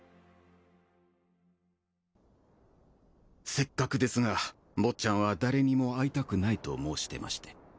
せっかくですが坊ちゃんは誰にも会いたくないと申してまして。